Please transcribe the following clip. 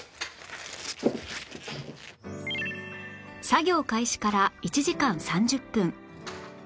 作業開始から１時間３０分